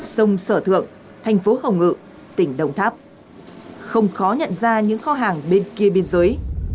sông sở thượng thành phố hồng ngự tỉnh đồng tháp không khó nhận ra những kho hàng bên kia biên giới